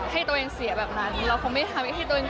ให้ตัวเองเสียแบบนั้นเราคงไม่ทำให้ตัวเอง